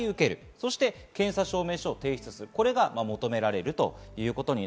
そして、検査証明書を提出することが求められます。